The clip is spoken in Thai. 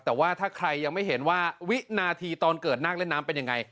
แต่ว่าถ้าใครยังไม่เห็นว่าวินาทีตอนเกิดนั่งเล่นน้ำเป็นยังไง